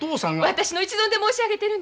私の一存で申し上げてるんです。